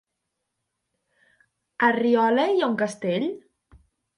A Riola hi ha un castell?